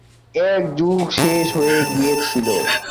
একটা যুগ শেষ হয়ে গিয়েছিল।